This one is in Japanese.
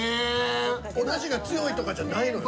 おだしが強いとかじゃないのよ。